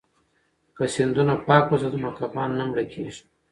که سیندونه پاک وساتو نو کبان نه مړه کیږي.